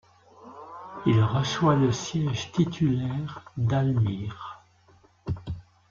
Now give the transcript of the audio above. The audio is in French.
Il reçoit le siège titulaire d'Almyre.